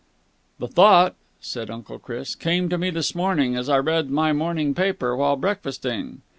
"The thought," said Uncle Chris, "came to me this morning, as I read my morning paper while breakfasting.